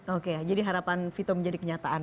oke jadi harapan vito menjadi kenyataan